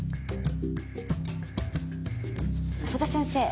曽田先生。